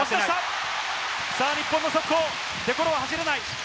日本の速攻、デ・コロは走れない。